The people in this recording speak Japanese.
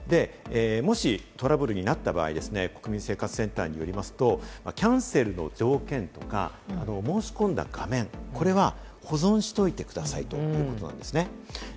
もしトラブルになった場合、国民生活センターによりますと、キャンセルの条件とか、申し込んだ画面、これは保存しておいてくださいということです。